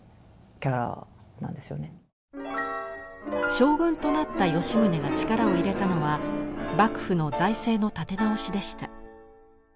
将軍となった吉宗が力を入れたのは幕府の財政の立て直しでした。